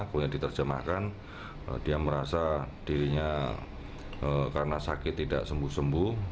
kemudian diterjemahkan dia merasa dirinya karena sakit tidak sembuh sembuh